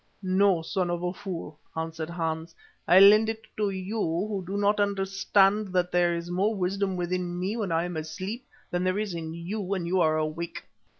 "No, son of a fool!" answered Hans. "I'll lend it to you who do not understand that there is more wisdom within me when I am asleep than there is in you when you are awake."